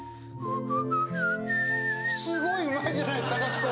すごいうまいじゃない隆子。